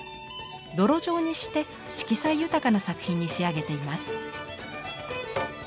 泥状にして色彩豊かな作品に仕上げています。